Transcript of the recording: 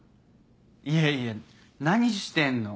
いやいや何してんの。